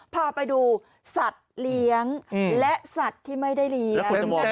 พาไปดูสัตว์เลี้ยงและสัตว์ที่ไม่ได้เลี้ยง